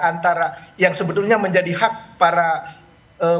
antara yang sebetulnya menjadi hak para